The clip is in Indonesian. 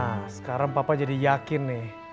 nah sekarang papa jadi yakin nih